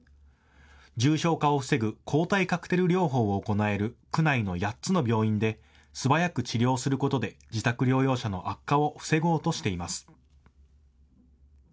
重症化を防ぐ抗体カクテル療法を行える区内の８つの病院で素早く治療することで自宅療養者の悪化を防ごうとしています。